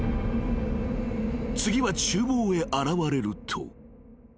［次は厨房へ現れると］